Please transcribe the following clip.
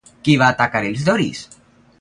Qui va atacar els doris?